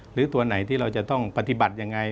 หรือตัวไหนที่เราจะต้องปฏิบัติยังไง